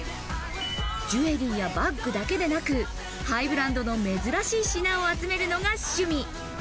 ジュエリーやバッグだけでなく、ハイブランドの珍しい品を集めるのが趣味。